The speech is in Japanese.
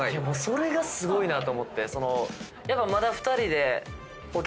それがすごいなと思って。